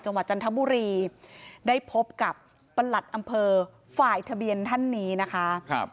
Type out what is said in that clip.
จันทบุรีได้พบกับประหลัดอำเภอฝ่ายทะเบียนท่านนี้นะคะครับ